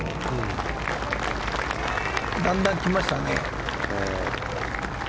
だんだんきましたね。